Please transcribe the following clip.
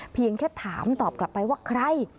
เพียงแค่ถามตอบกลับไปว่าใคร